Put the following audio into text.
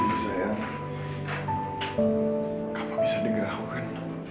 ini dia sayang kamu bisa dengar aku kan